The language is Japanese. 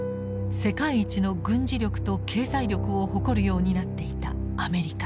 世界一の軍事力と経済力を誇るようになっていたアメリカ。